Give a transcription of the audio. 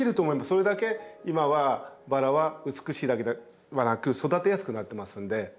それだけ今はバラは美しいだけではなく育てやすくなってますので。